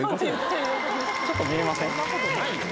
ちょっと見えません？